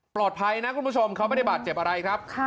นะคุณผู้ชมเขาไม่ได้บาดเจ็บอะไรครับ